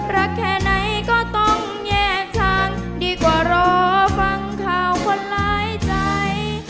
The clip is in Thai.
แค่ไหนก็ต้องแยกทางดีกว่ารอฟังข่าวคนหลายใจ